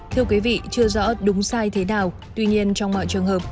thưa quý vị chưa rõ đúng sai thế nào tuy nhiên trong mọi trường hợp